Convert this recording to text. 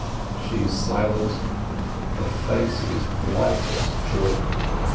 She is silent, her face is white as chalk.